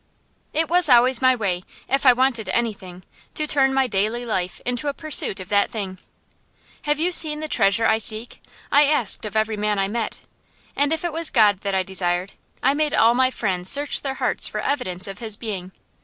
It was always my way, if I wanted anything, to turn my daily life into a pursuit of that thing. "Have you seen the treasure I seek?" I asked of every man I met. And if it was God that I desired, I made all my friends search their hearts for evidence of His being.